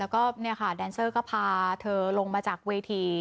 แล้วก็แดนเซอร์ก็พาเธอลงมาจากเวที